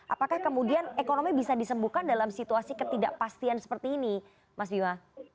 apakah kemudian ekonomi bisa disembuhkan dalam situasi ketidakpastian seperti ini mas bima